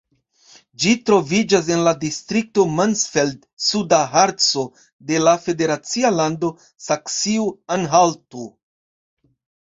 Ĝi troviĝas en la distrikto Mansfeld-Suda Harco de la federacia lando Saksio-Anhalto.